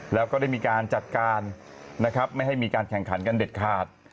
แล้วก็ได้มีการจัดการนะครับไม่ให้มีการแข่งขันกันเด็ดขาด